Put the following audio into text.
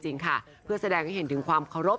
จริงเพื่อแสดงให้ถึงความเคารพ